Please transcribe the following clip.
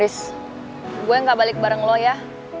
is gue gak balik bareng lo ya